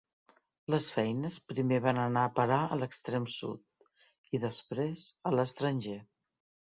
Les feines primer van anar a parar a l'extrem sud, i després, a l'estranger.